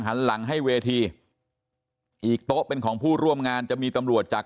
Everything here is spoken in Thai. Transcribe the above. หันหลังให้เวทีอีกโต๊ะเป็นของผู้ร่วมงานจะมีตำรวจจาก